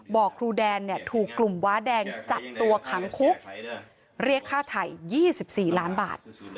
บอกครูแดนถูกกลุ่มว้าแดงจับตัวขังคุกเรียกค่าไถ่๒๔ล้านบาท